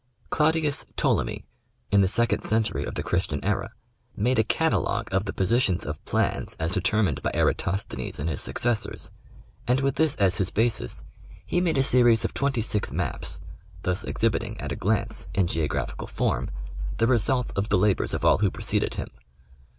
Claudius Ptolemy, in the second century of the Christian era, made a catalogue of the positions of plans as determined by Erastosthenes and his successors, and with this as his basis, he made a series of twenty six maps, thus exhibiting, at a glance, in geographical form, the results of the labors of all who pre ceded him.